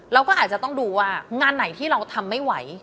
เราก็อาจจะต้องดูว่างานไหนที่เราทำไม่ไหว